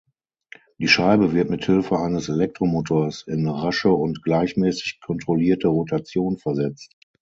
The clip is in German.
Die Scheibe wird mit Hilfe eines Elektromotors in rasche und gleichmäßig kontrollierte Rotation versetzt.